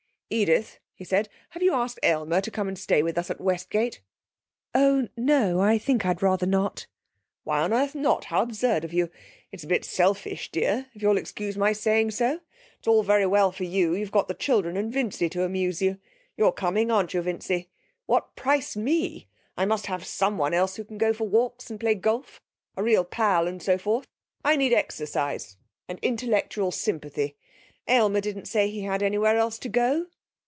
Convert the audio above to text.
'Edith,' he said,' have you asked Aylmer to come and stay with us at Westgate?' 'Oh no. I think I'd rather not.' 'Why on earth not? How absurd of you. It's a bit selfish, dear, if you'll excuse my saying so. It's all very well for you: you've got the children and Vincy to amuse you (you're coming, aren't you, Vincy?). What price me? I must have someone else who can go for walks and play golf, a real pal, and so forth. I need exercise, and intellectual sympathy. Aylmer didn't say he had anywhere else to go.'